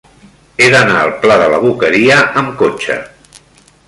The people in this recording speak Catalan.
He d'anar al pla de la Boqueria amb cotxe.